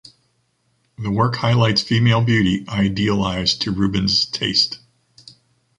The work highlights female beauty, idealized to Rubens’ taste.